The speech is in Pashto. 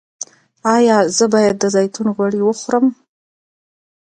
ایا زه باید د زیتون غوړي وخورم؟